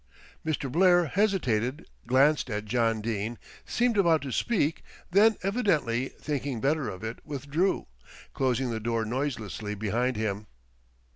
Mr. Blair hesitated, glanced at John Dene, seemed about to speak, then evidently thinking better of it withdrew, closing the door noiselessly behind him.